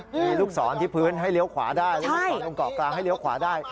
มีลูกศรที่พื้นให้เลี้ยวขวาได้ให้ลูกศรตรงเกาะกลางให้เลี้ยวขวาได้